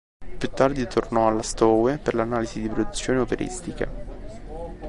Più tardi tornò alla Stowe per l'analisi di produzioni operistiche.